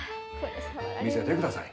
見せてください。